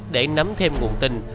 để nắm thêm nguồn tin